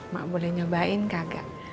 mak boleh nyobain kakak